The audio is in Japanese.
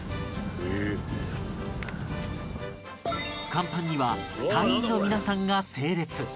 甲板には隊員の皆さんが整列